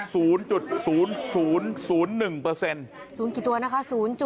สูงกี่ตัวนะคะ๐๐๐๐๑